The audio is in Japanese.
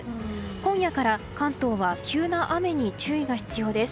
今夜から関東は急な雨に注意が必要です。